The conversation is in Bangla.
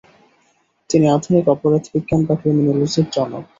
তিনি আধুনিক অপরাধ বিজ্ঞান বা ক্রিমিনোলোজির জনক।